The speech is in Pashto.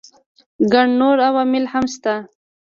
ګڼ نور عوامل هم شته.